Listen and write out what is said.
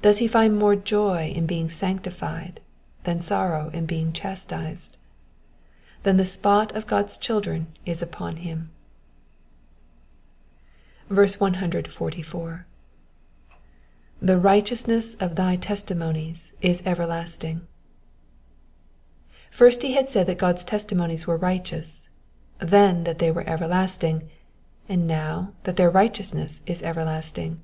Does he find more joy in bein^ sanctified than sorrow in being chastised? Then the spot of God's children is upon him. 144. ^*The righteousness of thy testimonies is everlasting.'*^ First he had said that God's testimonies were righteous, then that they were everlasting, and now that their righteousness is everlasting.